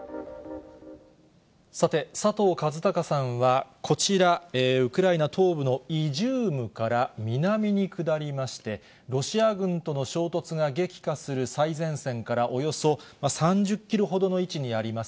さて、佐藤和孝さんはこちら、ウクライナ東部のイジュームから南に下りまして、ロシア軍との衝突が激化する最前線からおよそ３０キロほどの位置にあります